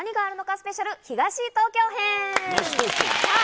スペシャル、東東京編。